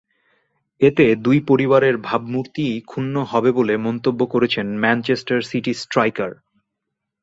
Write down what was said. এতে দুই পরিবারের ভাবমূর্তিই ক্ষুণ্ন হবে বলে মন্তব্য করেছেন ম্যানচেস্টার সিটি স্ট্রাইকার।